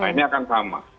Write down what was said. nah ini akan sama